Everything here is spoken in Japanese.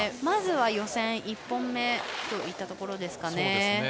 まずは予選１本目といったところですかね。